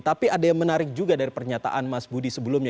tapi ada yang menarik juga dari pernyataan mas budi sebelumnya